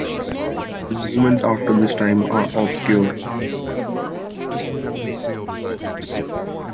His movements after this time are obscure.